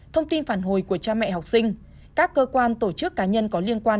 thông tin phản hồi của cha mẹ học sinh các cơ quan tổ chức cá nhân có liên quan